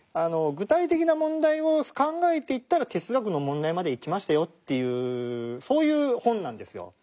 具体的な問題を考えていったら哲学の問題までいきましたよというそういう本なんですよ。